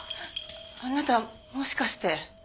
あなたもしかして。